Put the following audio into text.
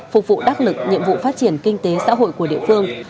phục vụ đắc lực nhiệm vụ phát triển kinh tế xã hội của địa phương